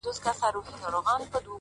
ساقي خراب تراب مي کړه نڅېږم به زه،